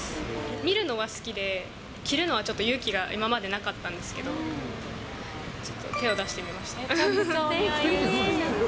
見るのは好きで、着るのはちょっと勇気が今までなかったんですけど、ちょっと手を出してみました。